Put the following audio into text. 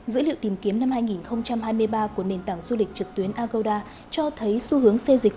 dữ liệu tìm kiếm năm hai nghìn hai mươi ba của nền tảng du lịch trực tuyến agoda cho thấy xu hướng xê dịch